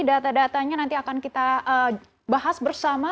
data datanya nanti akan kita bahas bersama